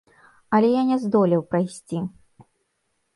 Але я не здолеў прайсці.